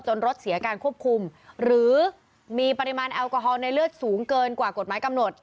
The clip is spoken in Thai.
รถเสียการควบคุมหรือมีปริมาณแอลกอฮอลในเลือดสูงเกินกว่ากฎหมายกำหนด